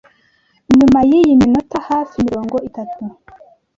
Nyuma y’iyi minota hafi mirongo itatu